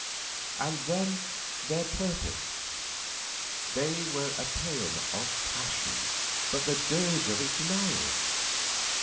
And then their purport. They were a paean of passion, but the dirge of its denial.